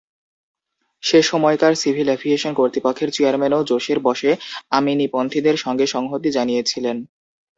সে সময়কার civil aviation কর্তৃপক্ষের চেয়ারম্যানও জোশের বশে আমিনীপন্থীদের সঙ্গে সংহতি জানিয়েছিলেন।